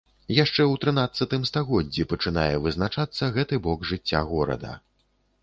Яшчэ ў трынаццатым стагоддзі пачынае вызначацца гэты бок жыцця горада.